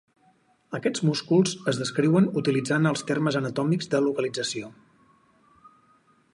Aquests músculs es descriuen utilitzant els termes anatòmics de localització.